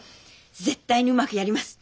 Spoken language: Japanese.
絶対にうまくやります。